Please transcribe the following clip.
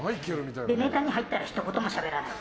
で、ネタに入ったらひと言もしゃべらない。